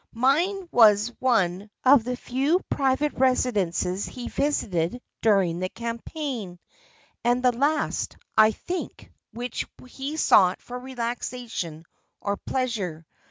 Mine was one of the few private residences he visited during the campaign, and the last, I think, which he sought for relaxation or pleasure.